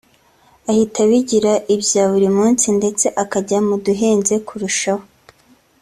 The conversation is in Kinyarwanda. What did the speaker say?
ahita abigira ibya buri munsi ndetse akajya mu duhenze kurushaho